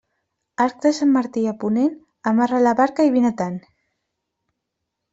Arc de Sant Martí a ponent, amarra la barca i vine-te'n.